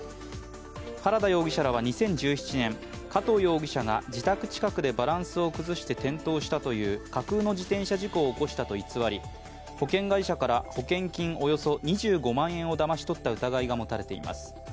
原田容疑者らは２０１７年加藤容疑者が自宅近くでバランスを崩して転倒したという架空の自転車事故を起こしたと偽り保険会社から保険金およそ２５万円をだまし取った疑いが持たれています。